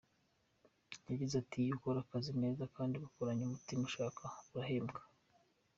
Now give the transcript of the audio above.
Yagize ati “Iyo ukora akazi neza kandi ugakoranye umutima ushaka, urahembwa.